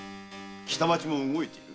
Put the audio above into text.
北町も動いている？